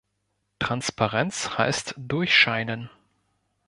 Transparenz heißt durchscheinen.